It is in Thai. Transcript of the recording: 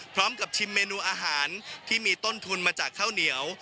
ชิมเมนูอาหารที่มีต้นทุนมาจากข้าวเหนียว